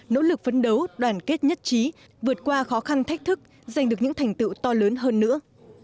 nỗ lực phấn đấu đoàn kết nhất trí vượt qua khó khăn thách thức giành được những thành tựu to lớn hơn nữa